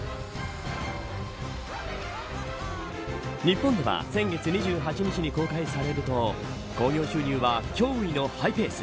日本では先月２８日に公開されると興行収入は、驚異のハイペース。